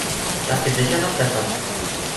Das geht sicher noch besser.